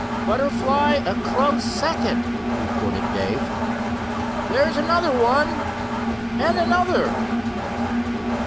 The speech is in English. "Butterfly a close second," reported Dave. "There's another one!" "And another!"